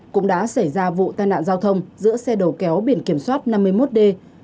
cũng đã xảy ra vụ tai nạn giao thông giữa xe đầu kéo biển kiểm soát năm mươi một d ba mươi chín nghìn sáu trăm bảy mươi bốn